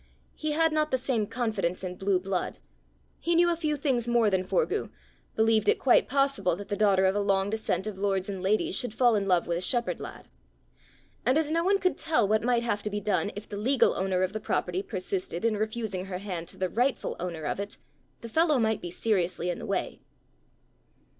He had not the same confidence in blue blood; he knew a few things more than Forgue believed it quite possible that the daughter of a long descent of lords and ladies should fall in love with a shepherd lad. And as no one could tell what might have to be done if the legal owner of the property persisted in refusing her hand to the rightful owner of it, the fellow might be seriously in the way!